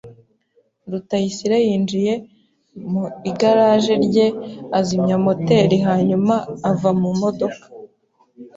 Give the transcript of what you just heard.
Rutayisire yinjiye mu igaraje rye, azimya moteri, hanyuma ava mu modoka.